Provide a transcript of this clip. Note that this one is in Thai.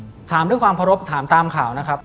ผมถามด้วยความเคารพถามตามข่าวนะครับ